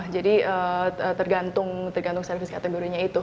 jadi tergantung service kategorinya itu